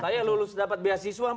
saya lulus dapat beasiswa